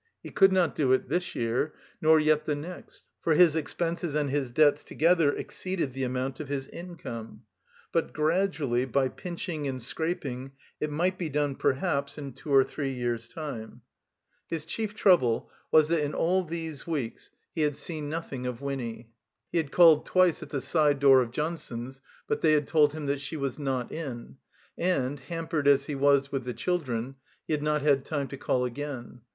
He could not do it this year, nor yet the next, for his expenses and his debts together ex ceeded the amount of his income; but gradually, by pinching and scraping, it might be done perhaps in two or three years' time. 303 THE COMBINED MAZE His chief trouble was that in all these weeks he had seen nothing of Winny. He had called twice at the side door of Johnson's, but they had told him that she was not in; and, hampered as he was with the children, he had not had time to call again.